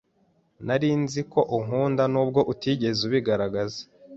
Nari nzi ko unkunda nubwo utigeze ubigaragaza.